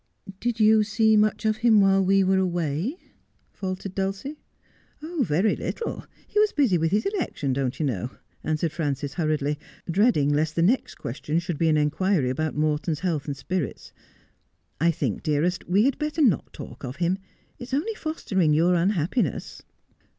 'Did you see much of him while we were away'i' faltered Dulcie. ' Very little. He was busy with his election, don't you know i ' answered Fiances hurriedly, dreading lest the next i<>dtio;i ' That would be too Horrible.' 205 should be an inquiry about Morton's health and spirits. 'I think, dearest, we had better not talk of him. It is only foster ing your unhappiness.'